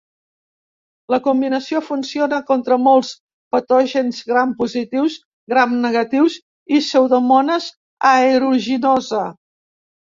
La combinació funciona contra molts patògens gram-positius, gram-negatius i "Pseudomonas aeruginosa".